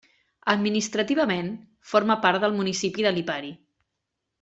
Administrativament, forma part del municipi de Lipari.